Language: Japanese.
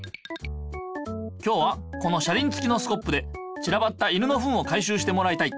今日はこの車りんつきのスコップでちらばった犬のフンを回しゅうしてもらいたい。